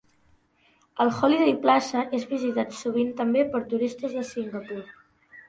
El Holiday Plaza és visitat sovint també per turistes de Singapur.